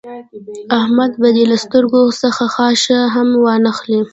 احمد به دې له سترګو څخه خاشه هم وانخلي.